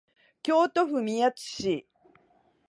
京都府宮津市